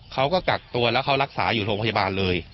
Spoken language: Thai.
เขาก็กักตัวแล้วเขารักษาอยู่โรงพยาบาลเลย